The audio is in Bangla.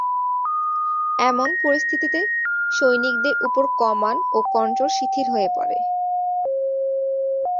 এমন পরিস্থিতিতে সৈনিকদের উপর কমান্ড ও কন্ট্রোল শিথিল হয়ে পড়ে।